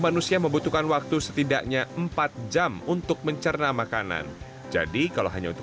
manusia membutuhkan waktu setidaknya empat jam untuk mencerna makanan jadi kalau hanya untuk